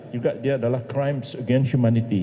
juga dia adalah crimes against humanity